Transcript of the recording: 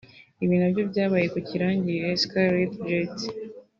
Ibi ni nabyo byabaye ku kirangirire Skyler Jett